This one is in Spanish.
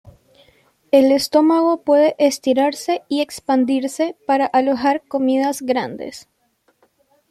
El estómago puede estirarse y expandirse para alojar comidas grandes.